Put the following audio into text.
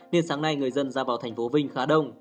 nên sáng nay người dân ra vào thành phố vinh khá đông